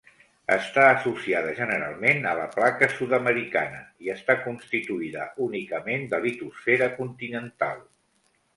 Està associada generalment a la Placa sud-americana i està constituïda únicament de litosfera continental.